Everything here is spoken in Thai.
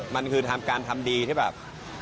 ปรากฏการทำดีที่แบบ